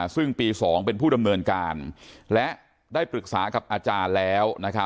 ซึ่งปี๒เป็นผู้ดำเนินการและได้ปรึกษากับอาจารย์แล้ว